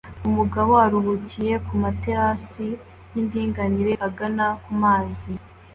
Umugabo aruhukiye ku materasi y'indinganire agana ku mazi